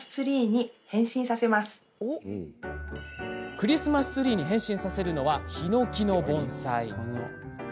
クリスマスツリーに変身させるのは、ヒノキの盆栽。